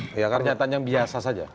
pernyataan yang biasa saja